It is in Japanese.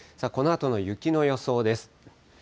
このあとの雪の予想です。